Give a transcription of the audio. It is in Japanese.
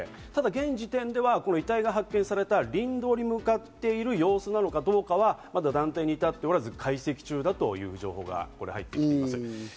現時点では遺体が発見された林道に向かっている様子なのかどうかは断定に至っておらず、解析中だという情報が入っています。